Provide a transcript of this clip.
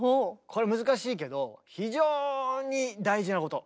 これ難しいけど非常に大事なこと。